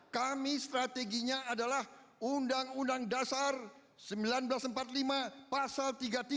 kami strateginya adalah undang undang dasar seribu sembilan ratus empat puluh lima pasal tiga puluh tiga